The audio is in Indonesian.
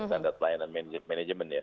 standar pelayanan manajemen ya